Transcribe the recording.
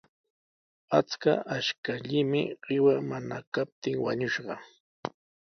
Achka ashkallami qiwa mana kaptin wañushqa.